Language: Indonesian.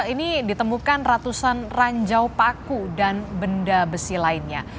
ini ditemukan ratusan ranjau paku dan benda besi lainnya